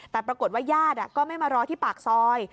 แต่ปรากฏว่าญาติก็ไม่มารอที่ปากซอย